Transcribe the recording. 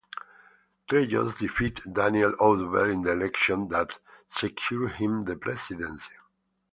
Trejos defeated Daniel Oduber in the election that secured him the presidency.